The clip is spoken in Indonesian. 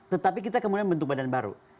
tetapi kita kemudian bentuk badan baru